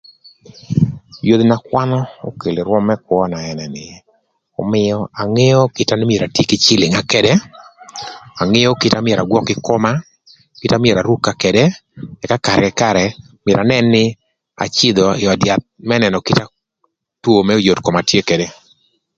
Yodhi na kwan okelo ï rwöm më kwöna ënë nï, ömïö angeo kite na myero atii kï cïlïngna ködë, angeo kite na myero agwök kï koma, angeo kite na myero arukara këdë ëka karë kï karë, myero anën nï acïdhö ï öd yath më nënö kite na two më yot koma tye ködë.